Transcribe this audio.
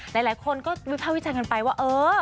หลายคนก็วิภาวิชันกันไปว่าเออ